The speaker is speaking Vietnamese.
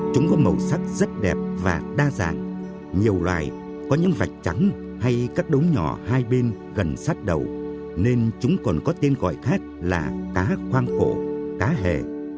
chúng có màu sắc rất đẹp và đa dạng nhiều loài có những vạch trắng hay các đống nhỏ hai bên gần sát đầu nên chúng còn có tên gọi khác là cá khoang cổ cá hề